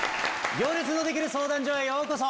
『行列のできる相談所』へようこそ。